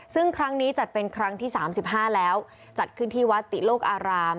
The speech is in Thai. ซึ่งครั้งนี้จัดเป็นครั้งที่๓๕แล้วจัดขึ้นที่วัดติโลกอาราม